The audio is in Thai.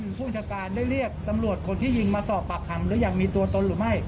ผู้บัญชาการได้เรียกตำรวจคนที่ยิงมาสอบปากคำหรือยังมีตัวตนหรือไม่